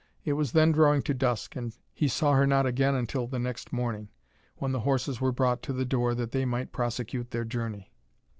It was then drawing to dusk, and he saw her not again until the next morning, when the horses were brought to the door that they might prosecute their journey.